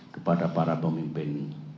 kepada para pemimpin